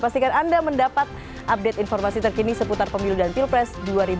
pastikan anda mendapat update informasi terkini seputar pemilu dan pilpres